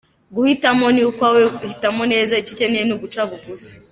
Guhitamo ni ukwawe, hitamo neza, icyo ukeneye ni uguca bugufi gusa.